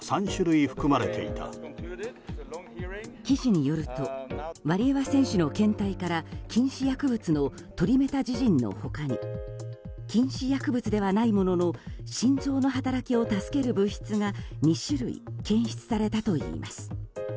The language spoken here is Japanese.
記事によるとワリエワ選手の検体から禁止薬物のトリメタジジンの他に禁止薬物ではないものの心臓の働きを助ける物質が２種類検出されたといいます。